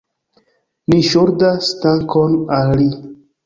Ni ŝuldas dankon al li.